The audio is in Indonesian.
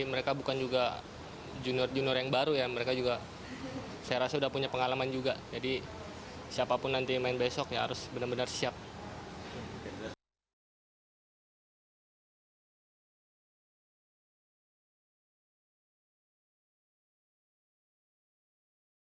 kemenangan indonesia akhirnya ditentukan di partai keempat dan keempat